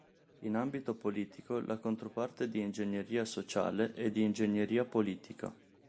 In ambito politico, la controparte di ingegneria sociale è di ingegneria politica.